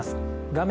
画面